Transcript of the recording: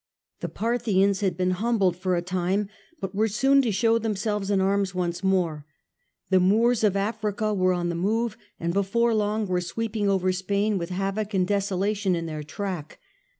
The Parthians had been humbled for a time, but were soon to show themselves in arms once more. The Moors of Africa were on the move, and before long were sweeping over Spain with havoc and desolation in their track.